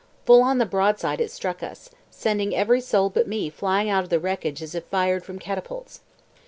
Full on the broadside it struck us, sending every soul but me flying out of the wreckage as if fired from catapults.